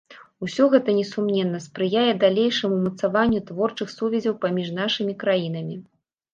Усё гэта, несумненна, спрыяе далейшаму ўмацаванню творчых сувязяў паміж нашымі краінамі.